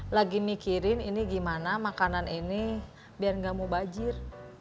lagi mikirin ini gimana makanan ini biar nggak mau banjir